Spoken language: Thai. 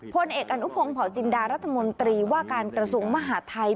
พลเอกอนุพงศ์เผาจินดารัฐมนตรีว่าการกระทรวงมหาทัย